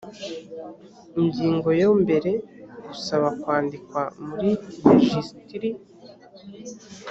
ingingo yo mbere gusaba kwandikwa muri rejisitiri